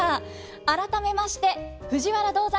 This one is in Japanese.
改めまして藤原道山さんです。